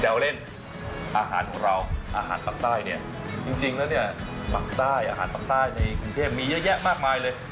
แววเล่นอาหารของเราอาหารปากใต้เนี่ยจริงแล้วเนี่ยปากใต้อาหารปากใต้ในกรุงเทพมีเยอะแยะมากมายเลย